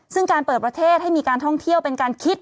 ซึ่งการเปิดประเทศให้มีการท่องเที่ยวเป็นการคิด